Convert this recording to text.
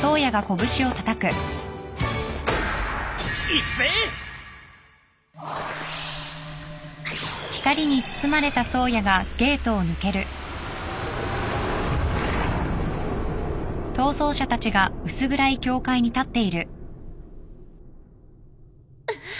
いくぜ！えっ！？